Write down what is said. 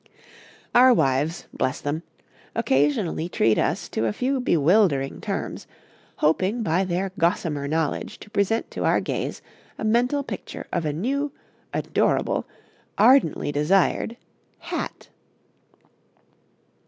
Our wives bless them! occasionally treat us to a few bewildering terms, hoping by their gossamer knowledge to present to our gaze a mental picture of a new, adorable, ardently desired hat.